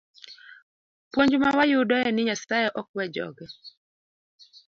Puonj ma wayudo en ni Nyasaye ok we joge.